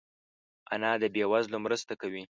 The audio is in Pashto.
انا د بې وزلو مرسته کوي